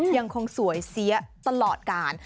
ยังคงสวยเสียตลอดกาล